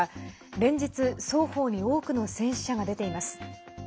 連日、双方に多くの戦死者が出ています。